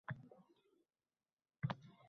Barcha nomzodlar ovoz berib bo‘ldi